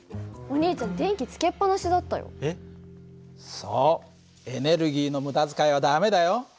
そうエネルギーの無駄遣いは駄目だよ。